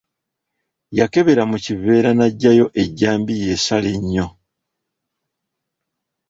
Yakebera mu kiveera n’aggyayo ejjambiya esala ennyo.